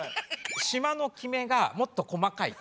しまのきめがもっと細かい。